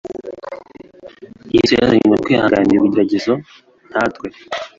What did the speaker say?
Yesu yazanywe no kwihanganira ibigeragezo nkatwe,